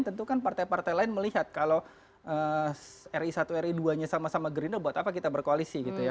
tentu kan partai partai lain melihat kalau ri satu ri dua nya sama sama gerindra buat apa kita berkoalisi gitu ya